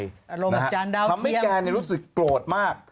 อารมณ์ทางจานดาวเทียมทำให้แกรู้สึกโกรธมาก